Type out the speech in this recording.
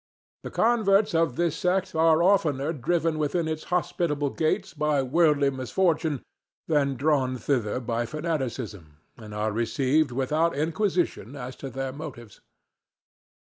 The converts of this sect are oftener driven within its hospitable gates by worldly misfortune than drawn thither by fanaticism, and are received without inquisition as to their motives.